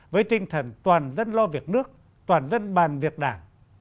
với tinh thần toàn dân lo việc nước toàn dân bàn việc đảng